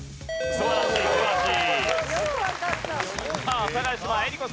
素晴らしい素晴らしい。